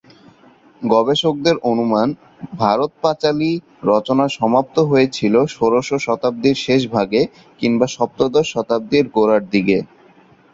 গবেষকদের অনুমান, "ভারত-পাঁচালী" রচনা সমাপ্ত হয়েছিল ষোড়শ শতাব্দীর শেষভাগে কিংবা সপ্তদশ শতাব্দীর গোড়ার দিকে।